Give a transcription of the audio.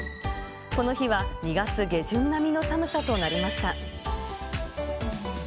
この日は２月下旬並みの寒さとなりました。